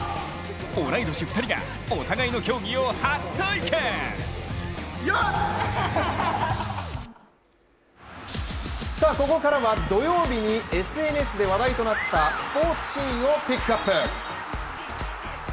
同い年２人がお互いの競技を初体験ここからは土曜日にＳＮＳで話題となったスポーツシーンをピックアップ。